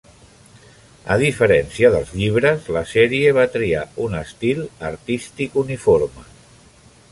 A diferència dels llibres, la sèrie va triar un estil artístic uniforme.